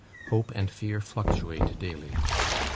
Hope and fear fluctuate daily.